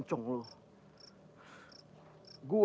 udah gue pergi dulu